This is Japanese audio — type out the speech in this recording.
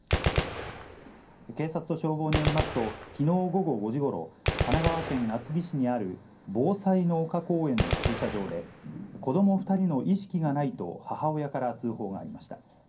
警察と消防によりますと、きのう午後５時ごろ、神奈川県厚木市にあるぼうさいの丘公園の駐車場で、子ども２人の意識がないと母親から通報がありました。